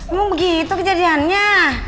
emang begitu kejadiannya